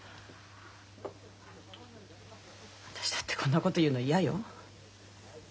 私だってこんなこと言うの嫌よ。